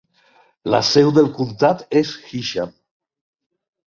La seu del comtat és Hysham.